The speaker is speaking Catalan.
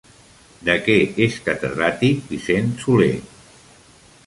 De què és catedràtic Vicent Soler?